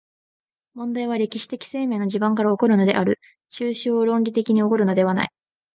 問題は歴史的生命の地盤から起こるのである、抽象論理的に起こるのではない。